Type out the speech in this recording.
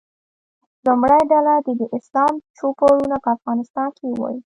لومړۍ ډله دې د اسلام چوپړونه په افغانستان کې ووایي.